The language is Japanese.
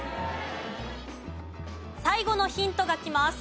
最後のヒントがきます。